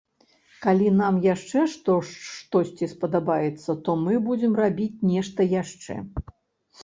Калі нам яшчэ штосьці спадабаецца, то мы будзем рабіць нешта яшчэ.